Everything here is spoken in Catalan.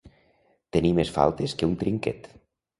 Tenir més faltes que un trinquet.